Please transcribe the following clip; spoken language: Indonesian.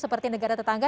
seperti negara tetangga